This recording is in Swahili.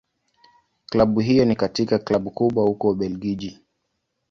Klabu hiyo ni katika Klabu kubwa huko Ubelgiji.